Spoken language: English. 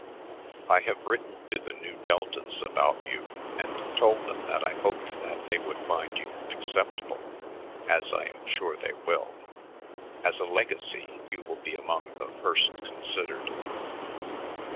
"I have written to the Nu Deltas about you and told them that I hoped that they would find you acceptable, as I am sure they will. As a legacy, you will be among the first considered."